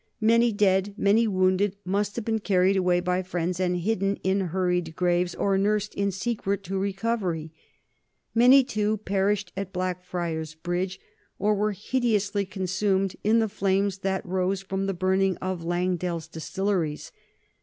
Many dead, many wounded, must have been carried away by friends and hidden in hurried graves, or nursed in secret to recovery. Many, too, perished at Blackfriars Bridge, or were hideously consumed in the flames that rose from the burning of Langdale's distilleries.